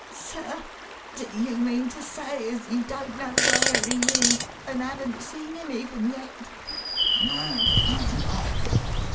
Sir, do you mean to say as you don't know where he is, and haven't seen him even yet?" "No, I've not.